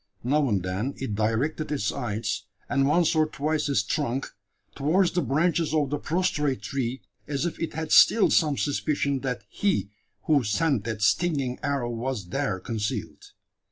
Now and then it directed its eyes, and once or twice its trunk, towards the branches of the prostrate tree as if it had still some suspicion that he who sent that stinging arrow was there concealed.